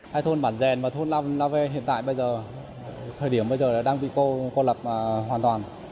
hai thôn bản dèn và thôn lave hiện tại bây giờ thời điểm bây giờ đã đang bị cô lập hoàn toàn